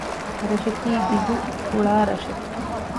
އެރަށަކީ ދިގު ފުޅާ ރަށެއް